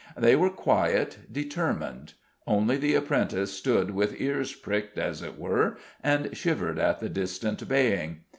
They were quiet, determined. Only the apprentice stood with ears pricked, as it were, and shivered at the distant baying.